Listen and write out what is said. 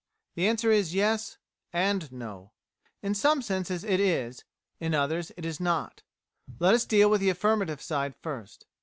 The answer is Yes and No; in some senses it is, in others it is not. Let us deal with the affirmative side first.